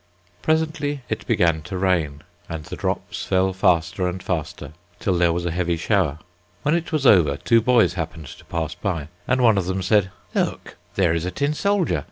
Presently it began to rain, and the drops fell faster and faster, till there was a heavy shower. When it was over, two boys happened to pass by, and one of them said, "Look, there is a tin soldier.